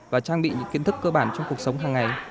và trang bị những kiến thức cơ bản trong cuộc sống hàng ngày